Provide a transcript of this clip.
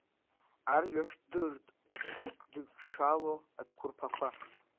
Арҩаш дырт, идыҽҽало ацәқәырԥақәа.